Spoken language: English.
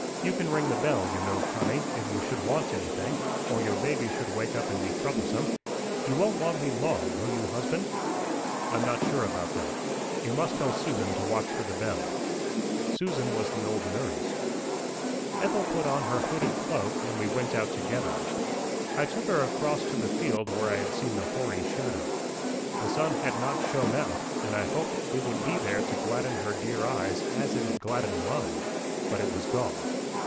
"You can ring the bell, you know, Connie, if you should want anything, or your baby should wake up and be troublesome. You won't want me long, will you, husband?" "I'm not sure about that. You must tell Susan to watch for the bell." Susan was the old nurse. Ethel put on her hooded cloak, and we went out together. I took her across to the field where I had seen the hoary shadow. The sun had not shone out, and I hoped it would be there to gladden her dear eyes as it had gladdened mine; but it was gone.